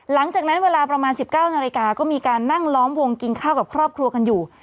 หลังจากนั้นเวลาประมาณ๑๙นาฬิกาก็มีการนั่งล้อมวงกินข้าวกับครอบครัวกันอยู่